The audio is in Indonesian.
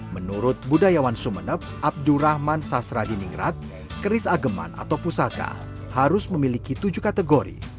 menurut budayawan sumeneb abdurrahman sasradiningrat keris ageman atau pusaka harus memiliki tujuh kategori